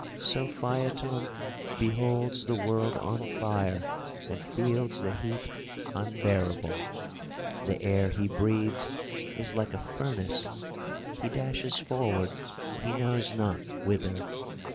So Phaeton beholds the world on fire, and feels the heat unbearable. The air he breathes is like a furnace. He dashes forward — he knows not whither.